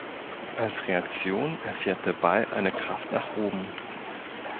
Als Reaktion erfährt der Ball eine Kraft nach oben.